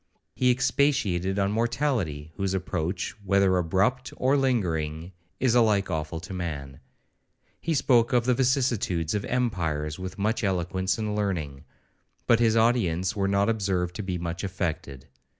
He expatiated on mortality, whose approach, whether abrupt or lingering, is alike awful to man.—He spoke of the vicissitudes of empires with much eloquence and learning, but his audience were not observed to be much affected.